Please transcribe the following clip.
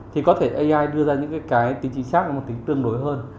thì có thể ai đưa ra những cái tính chính xác tính tương đối hơn